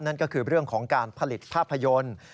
นั่นก็คือเรื่องของการผลิตภาพยนตร์